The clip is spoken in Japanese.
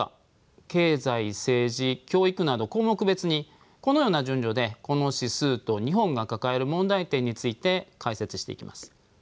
経済・政治・教育など項目別にこのような順序でこの指数と日本が抱える問題点について解説していきます。